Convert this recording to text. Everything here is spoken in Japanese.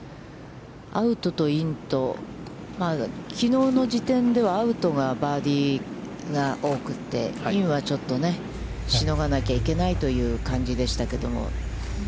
アウトとインと、きのうの時点では、アウトがバーディーが多くて、インはちょっとね、しのがなきゃいけないという感じでしたけれども。